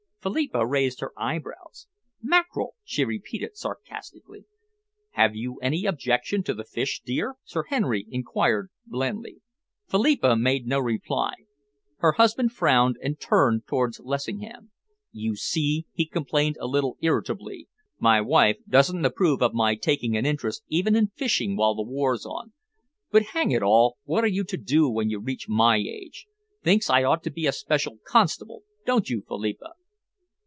Philippa raised her eyebrows. "Mackerel!" she repeated sarcastically. "Have you any objection to the fish, dear?" Sir Henry enquired blandly. Philippa made no reply. Her husband frowned and turned towards Lessingham. "You see," he complained a little irritably, "my wife doesn't approve of my taking an interest even in fishing while the war's on, but, hang it all, what are you to do when you reach my age? Thinks I ought to be a special constable, don't you, Philippa?"